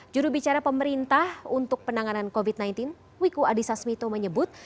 jurubicara pemerintah untuk penanganan covid sembilan belas wiku adhisa smito menyebut